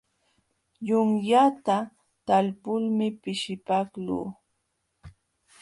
Yunyata talpulmi pishipaqluu.